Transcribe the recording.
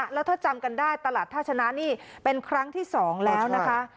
แล้วถ้าจำกันได้ตลาดท่าชนะนี่เป็นครั้งที่๒แล้วนะคะ